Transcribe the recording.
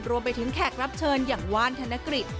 แขกรับเชิญอย่างว่านธนกฤษ